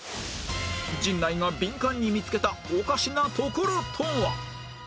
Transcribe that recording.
陣内がビンカンに見つけたおかしなところとは？